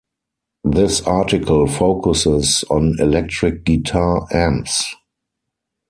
This article focuses on electric guitar amps.